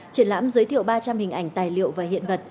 triển lãm giới thiệu ba trăm linh hình ảnh tài liệu